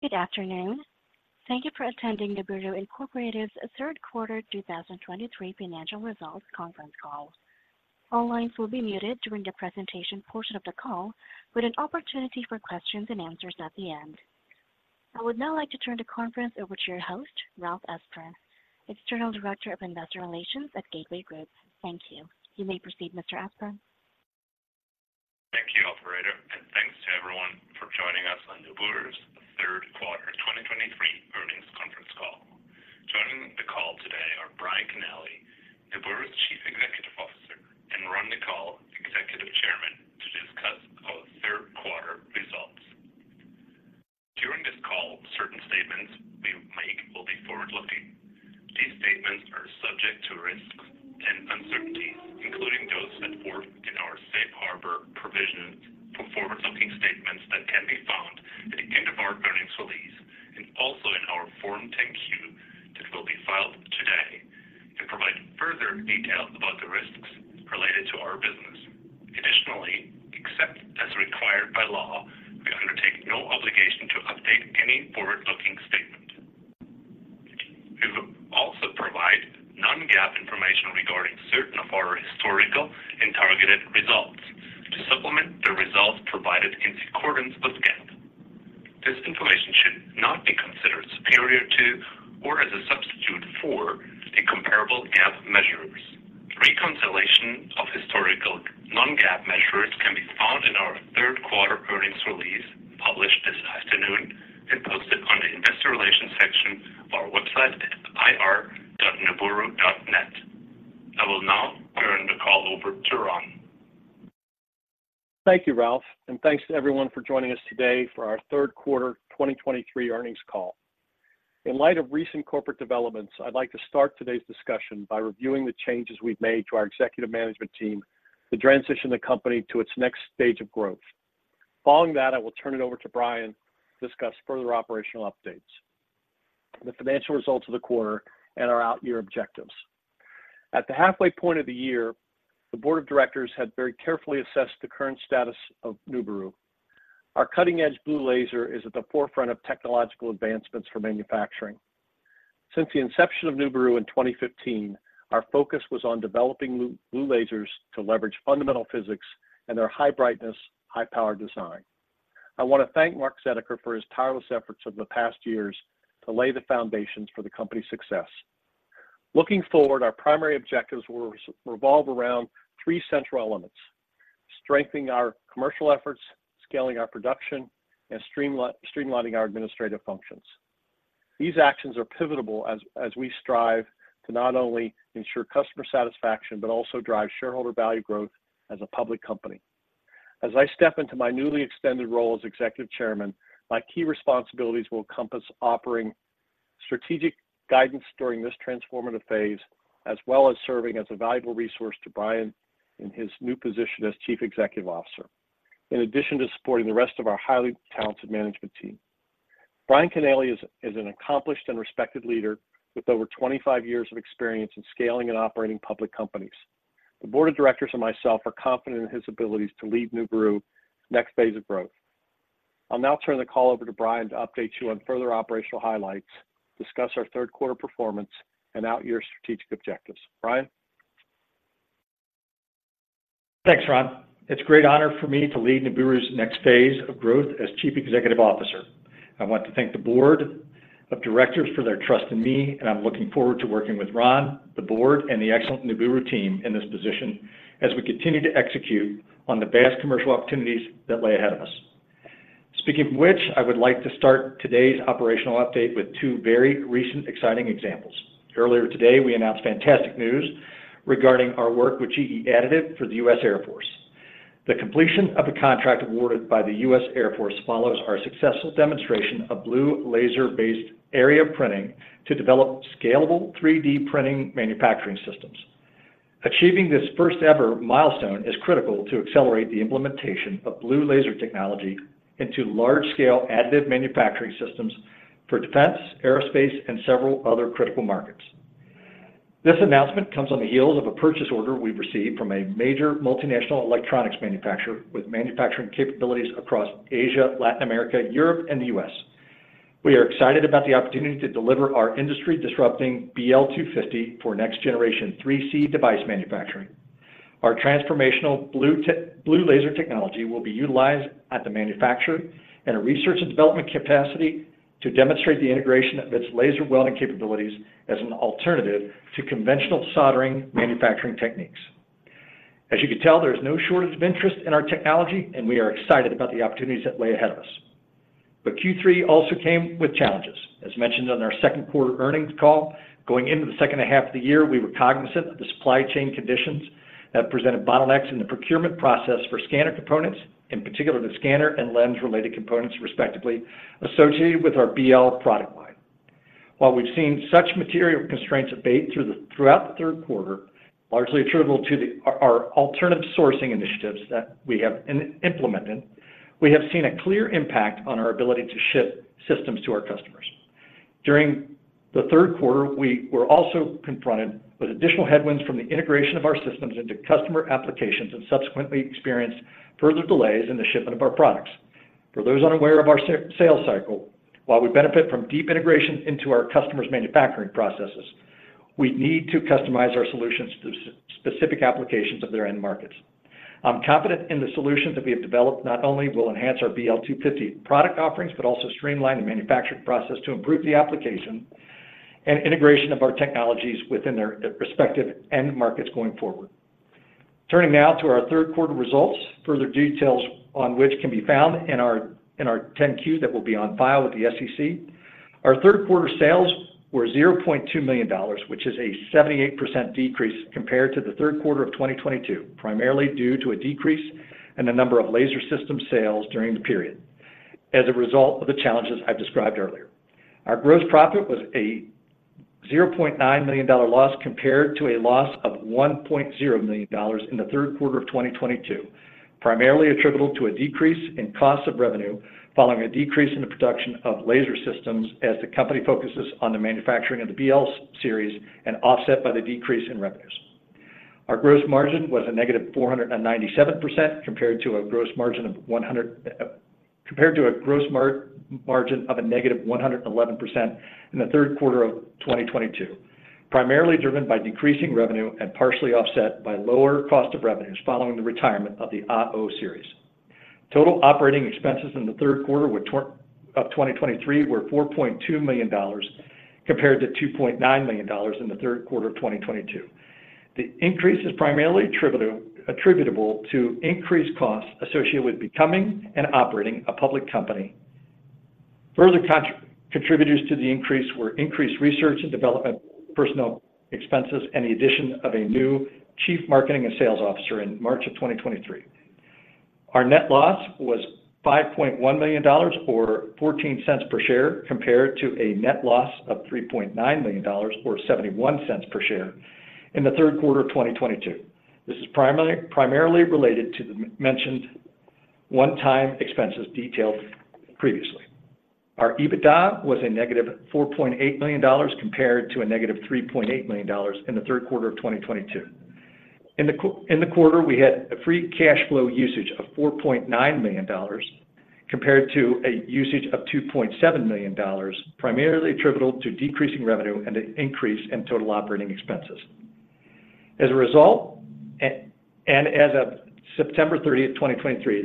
Good afternoon. Thank you for attending NUBURU, Inc.'s third quarter 2023 financial results conference call. All lines will be muted during the presentation portion of the call, with an opportunity for questions and answers at the end. I would now like to turn the conference over to your host, Ralf Esper, External Director of Investor Relations at Gateway Group. Thank you. You may proceed, Mr. Esper. Thank you, operator, and thanks to everyone for joining us on NUBURU's third quarter 2023 earnings conference call. Joining the call today are Brian Knaley, NUBURU's Chief Executive Officer, and Ron Nicol, Executive Chairman, to discuss our third quarter results. During this call, certain statements we make will be forward-looking. These statements are subject to risks and uncertainties, including those set forth in our safe harbor provisions for forward-looking statements that can be found at the end of our earnings release and also in our Form 10-Q that will be filed today and provide further details about the risks related to our business. Additionally, except as required by law, we undertake no obligation to update any forward-looking statement. We will also provide non-GAAP information regarding certain of our historical and targeted results to supplement the results provided in accordance with GAAP. This information should not be considered superior to or as a substitute for the comparable GAAP measures. Reconciliation of historical non-GAAP measures can be found in our third quarter earnings release, published this afternoon and posted on the investor relations section of our website at ir.nuburu.net. I will now turn the call over to Ron. Thank you, Ralf, and thanks to everyone for joining us today for our third quarter 2023 earnings call. In light of recent corporate developments, I'd like to start today's discussion by reviewing the changes we've made to our executive management team to transition the company to its next stage of growth. Following that, I will turn it over to Brian to discuss further operational updates, the financial results of the quarter, and our outyear objectives. At the halfway point of the year, the board of directors had very carefully assessed the current status of NUBURU. Our cutting-edge blue laser is at the forefront of technological advancements for manufacturing. Since the inception of NUBURU in 2015, our focus was on developing blue lasers to leverage fundamental physics and their high brightness, high power design. I want to thank Mark Zediker for his tireless efforts over the past years to lay the foundations for the company's success. Looking forward, our primary objectives will revolve around three central elements: strengthening our commercial efforts, scaling our production, and streamlining our administrative functions. These actions are pivotable as we strive to not only ensure customer satisfaction, but also drive shareholder value growth as a public company. As I step into my newly extended role as Executive Chairman, my key responsibilities will encompass offering strategic guidance during this transformative phase, as well as serving as a valuable resource to Brian in his new position as Chief Executive Officer, in addition to supporting the rest of our highly talented management team. Brian Knaley is an accomplished and respected leader with over 25 years of experience in scaling and operating public companies. The board of directors and myself are confident in his abilities to lead NUBURU next phase of growth. I'll now turn the call over to Brian to update you on further operational highlights, discuss our third quarter performance and out-year strategic objectives. Brian? Thanks, Ron. It's a great honor for me to lead NUBURU's next phase of growth as Chief Executive Officer. I want to thank the board of directors for their trust in me, and I'm looking forward to working with Ron, the board, and the excellent NUBURU team in this position as we continue to execute on the vast commercial opportunities that lay ahead of us. Speaking of which, I would like to start today's operational update with two very recent exciting examples. Earlier today, we announced fantastic news regarding our work with GE Additive for the U.S. Air Force. The completion of the contract awarded by the U.S. Air Force follows our successful demonstration of blue laser-based area printing to develop scalable 3D printing manufacturing systems. Achieving this first-ever milestone is critical to accelerate the implementation of blue laser technology into large-scale additive manufacturing systems for defense, aerospace, and several other critical markets. This announcement comes on the heels of a purchase order we've received from a major multinational electronics manufacturer with manufacturing capabilities across Asia, Latin America, Europe, and the U.S. We are excited about the opportunity to deliver our industry-disrupting BL-250 for next-generation 3C device manufacturing. Our transformational blue laser technology will be utilized at the manufacturer in a research and development capacity to demonstrate the integration of its laser welding capabilities as an alternative to conventional soldering manufacturing techniques. As you can tell, there is no shortage of interest in our technology, and we are excited about the opportunities that lay ahead of us. But Q3 also came with challenges. As mentioned on our second quarter earnings call, going into the second half of the year, we were cognizant that the supply chain conditions have presented bottlenecks in the procurement process for scanner components, in particular, the scanner and lens-related components, respectively, associated with our BL product line. While we've seen such material constraints abate throughout the third quarter, largely attributable to our alternative sourcing initiatives that we have implemented, we have seen a clear impact on our ability to ship systems to our customers. During the third quarter, we were also confronted with additional headwinds from the integration of our systems into customer applications and subsequently experienced further delays in the shipment of our products. For those unaware of our sales cycle, while we benefit from deep integration into our customers' manufacturing processes, we need to customize our solutions to specific applications of their end markets. I'm confident in the solutions that we have developed, not only will enhance our BL-250 product offerings, but also streamline the manufacturing process to improve the application and integration of our technologies within their respective end markets going forward. Turning now to our third quarter results, further details on which can be found in our 10-Q that will be on file with the SEC. Our third quarter sales were $0.2 million, which is a 78% decrease compared to the third quarter of 2022, primarily due to a decrease in the number of laser system sales during the period as a result of the challenges I've described earlier. Our gross profit was a $0.9 million loss, compared to a loss of $1.0 million in the third quarter of 2022, primarily attributable to a decrease in cost of revenue following a decrease in the production of laser systems as the company focuses on the manufacturing of the BL series and offset by the decrease in revenues. Our gross margin was a -497%, compared to a gross margin of a -111% in the third quarter of 2022, primarily driven by decreasing revenue and partially offset by lower cost of revenues following the retirement of the AO series. Total operating expenses in the third quarter of 2023 were $4.2 million, compared to $2.9 million in the third quarter of 2022. The increase is primarily attributable to increased costs associated with becoming and operating a public company. Further contributors to the increase were increased research and development, personnel expenses, and the addition of a new chief marketing and sales officer in March of 2023. Our net loss was $5.1 million, or $0.14 per share, compared to a net loss of $3.9 million, or $0.71 per share in the third quarter of 2022. This is primarily related to the mentioned one-time expenses detailed previously. Our EBITDA was negative $4.8 million, compared to negative $3.8 million in the third quarter of 2022. In the quarter, we had a free cash flow usage of $4.9 million, compared to a usage of $2.7 million, primarily attributable to decreasing revenue and an increase in total operating expenses. And as of September thirtieth, 2023,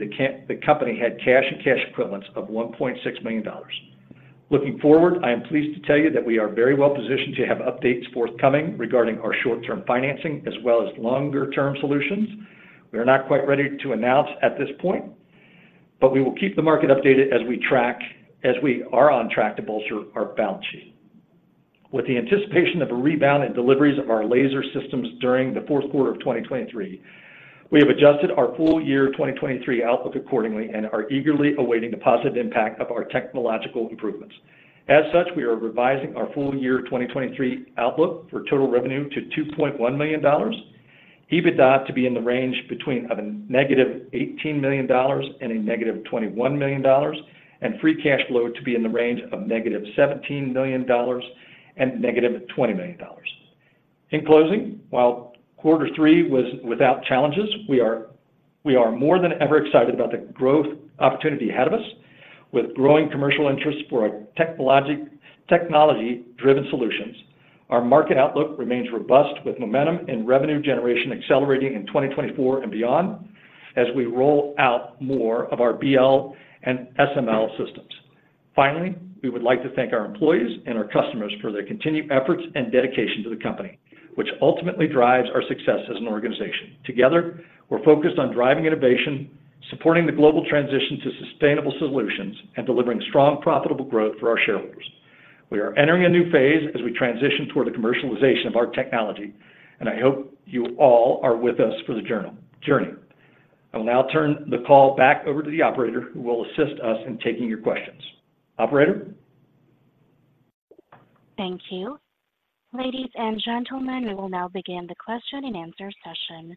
the company had cash and cash equivalents of $1.6 million. Looking forward, I am pleased to tell you that we are very well positioned to have updates forthcoming regarding our short-term financing as well as longer-term solutions. We are not quite ready to announce at this point, but we will keep the market updated as we are on track to bolster our balance sheet. With the anticipation of a rebound in deliveries of our laser systems during the fourth quarter of 2023, we have adjusted our full year 2023 outlook accordingly and are eagerly awaiting the positive impact of our technological improvements. As such, we are revising our full year 2023 outlook for total revenue to $2.1 million, EBITDA to be in the range between of -$18 million and -$21 million, and free cash flow to be in the range of -$17 million and -$20 million. In closing, while quarter three was without challenges, we are, we are more than ever excited about the growth opportunity ahead of us. With growing commercial interest for our technology-driven solutions, our market outlook remains robust, with momentum and revenue generation accelerating in 2024 and beyond as we roll out more of our BL and SM systems. Finally, we would like to thank our employees and our customers for their continued efforts and dedication to the company, which ultimately drives our success as an organization. Together, we're focused on driving innovation, supporting the global transition to sustainable solutions, and delivering strong, profitable growth for our shareholders. We are entering a new phase as we transition toward the commercialization of our technology, and I hope you all are with us for the journey. I will now turn the call back over to the operator, who will assist us in taking your questions. Operator? Thank you. Ladies and gentlemen, we will now begin the question-and-answer session.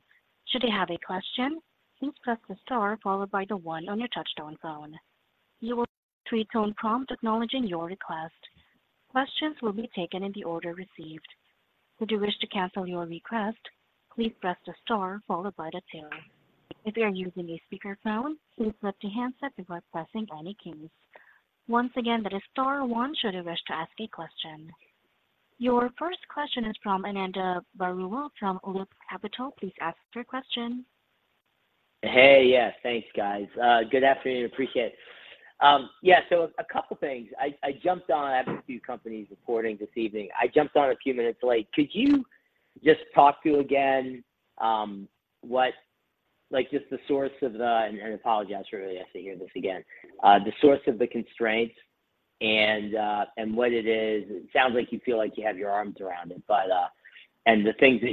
Should you have a question, please press the star followed by the one on your touchtone phone. You will hear a tone prompt acknowledging your request. Questions will be taken in the order received. Should you wish to cancel your request, please press the star followed by the two. If you are using a speakerphone, please lift the handset before pressing any keys. Once again, that is star one should you wish to ask a question. Your first question is from Ananda Baruah with Capital. Please ask your question. Hey, yes, thanks, guys. Good afternoon. Appreciate it. Yeah, so a couple things. I jumped on. I have a few companies reporting this evening. I jumped on a few minutes late. Could you just talk through again, what—like, just the source of the... And I apologize for really asking to hear this again. The source of the constraints and what it is. It sounds like you feel like you have your arms around it, but, and the things that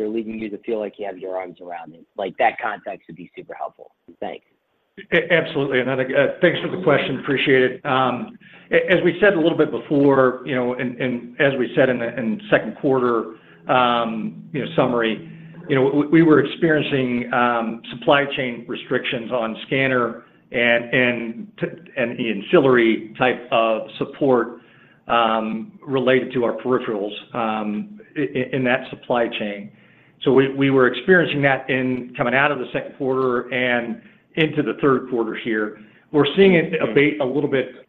are leading you to feel like you have your arms around it. Like, that context would be super helpful. Thanks. Absolutely, Ananda. Thanks for the question. Appreciate it. As we said a little bit before, you know, and as we said in the second quarter, you know, summary. You know, we were experiencing supply chain restrictions on scanner and the ancillary type of support related to our peripherals in that supply chain. So we were experiencing that coming out of the second quarter and into the third quarter here. We're seeing it abate a little bit.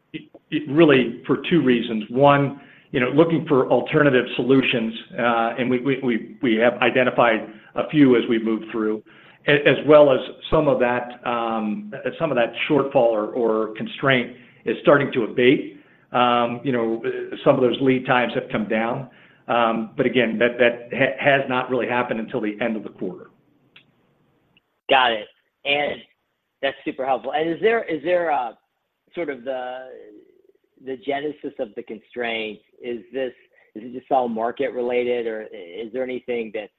It really for two reasons. One, you know, looking for alternative solutions, and we have identified a few as we move through, as well as some of that shortfall or constraint is starting to abate. You know, some of those lead times have come down. But again, that has not really happened until the end of the quarter. Got it. And that's super helpful. And is there a sort of the genesis of the constraint? Is this just all market related, or is there anything that's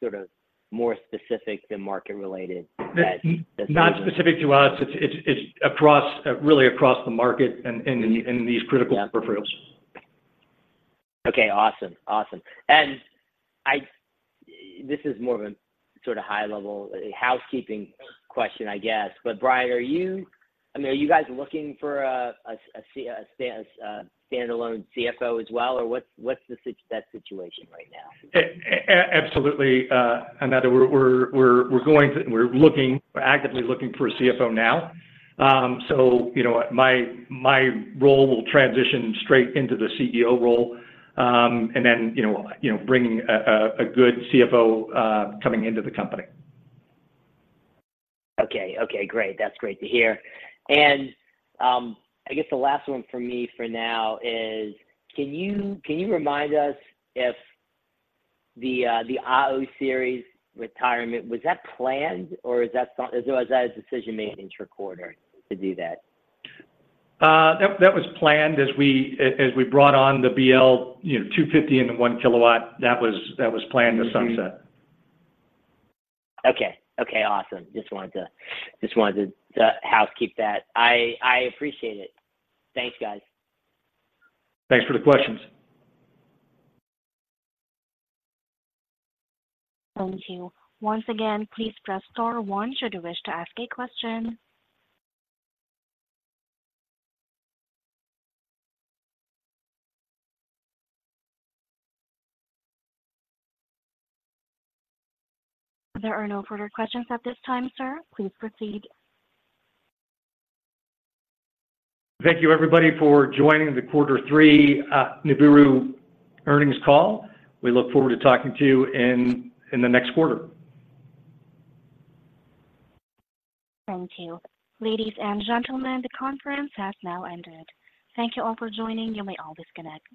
sort of more specific than market related that- Not specific to us. It's across, really across the market and in these critical peripherals. Okay, awesome. Awesome. And this is more of a sort of high-level, a housekeeping question, I guess, but Brian, are you—I mean, are you guys looking for a standalone CFO as well, or what's the situation right now? Absolutely, another. We're going to... We're actively looking for a CFO now. So, you know, my role will transition straight into the CEO role, and then, you know, bringing a good CFO coming into the company. Okay. Okay, great. That's great to hear. And, I guess the last one for me for now is, can you remind us if the AO series retirement was that planned or is that some... Or was that a decision made intra-quarter to do that? That was planned as we brought on the BL-250, you know, into 1 kW. That was planned to sunset. Okay. Awesome. Just wanted to housekeep that. I appreciate it. Thanks, guys. Thanks for the questions. Thank you. Once again, please press star one should you wish to ask a question. There are no further questions at this time, sir. Please proceed. Thank you, everybody, for joining the quarter three, NUBURU earnings call. We look forward to talking to you in the next quarter. Thank you. Ladies and gentlemen, the conference has now ended. Thank you all for joining. You may all disconnect.